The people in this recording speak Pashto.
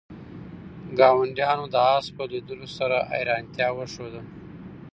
ګاونډیانو د آس په لیدلو سره حیرانتیا وښوده.